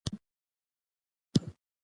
د زیږون ورځې یې نږدې شوې.